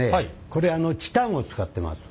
これあのチタンを使ってます。